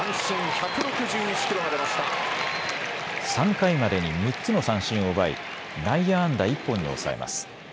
３回までに６つの三振を奪い内野安打１本に抑えます。